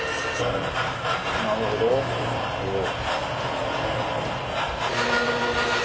なるほどおおっ。